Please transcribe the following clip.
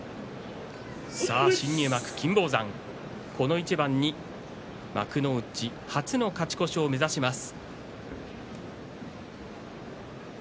新入幕の金峰山、この一番に幕内初の勝ち越しを目指します。